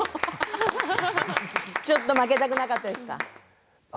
ちょっと負けたくなかったですか？